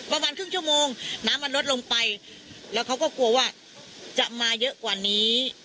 ประมาณครึ่งชั่วโมงน้ำมันลดลงไปแล้วเขาก็กลัวว่าจะมาเยอะกว่านี้